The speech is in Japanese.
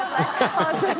本当に。